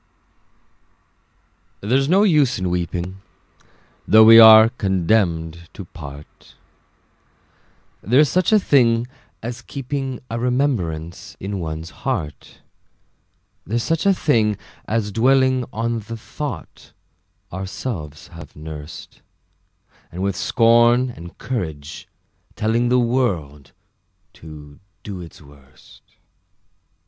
There's no use in weeping, Though we are condemned to part: There's such a thing as keeping A remembrance in one's heart: There's such a thing as dwelling On the thought ourselves have nursed, And with scorn and courage telling The world to do its worst.